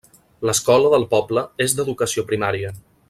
L'escola del poble és d'educació primària.